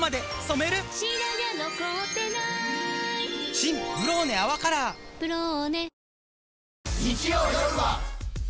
新「ブローネ泡カラー」「ブローネ」